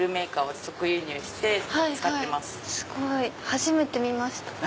初めて見ました。